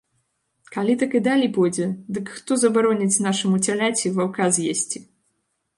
Калі так і далей пойдзе, дык хто забароніць нашаму цяляці ваўка з'есці?